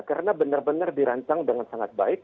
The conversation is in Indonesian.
karena benar benar dirancang dengan sangat baik